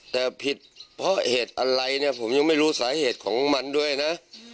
แต่ผิดเพราะเหตุอะไรเนี่ยผมยังไม่รู้สาเหตุของมันด้วยนะ